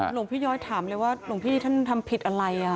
หลวงพี่ย้อยถามเลยว่าหลวงพี่ท่านทำผิดอะไร